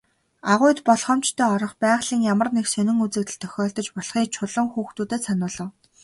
Агуйд болгоомжтой орох, байгалийн ямар нэгэн сонин үзэгдэл тохиолдож болохыг Чулуун хүүхдүүдэд сануулав.